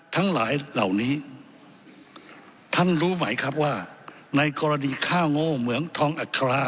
ทั้งหลายเหล่านี้ท่านรู้ไหมครับว่าในกรณีฆ่าโง่เหมืองทองอัครา